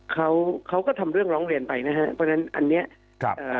เขาเขาก็ทำเรื่องร้องเรียนไปนะฮะเพราะฉะนั้นอันเนี้ยครับเอ่อ